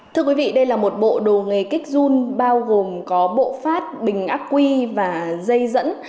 thưa quý vị đây là một bộ đồ nghề kích dung bao gồm có bộ phát bình ác quy và dây dẫn